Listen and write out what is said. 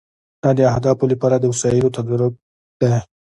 دا د اهدافو لپاره د وسایلو تدارک دی.